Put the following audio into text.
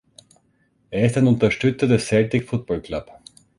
Er ist ein Unterstützer des Celtic Football Club.